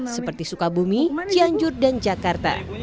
seperti sukabumi cianjur dan jakarta